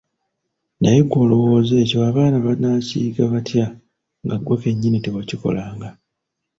Naye ggwe olowooza ekyo abaana banakiyiga batya nga ggwe kennyini tewakikolanga?